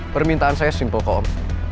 permintaan saya simpel kok om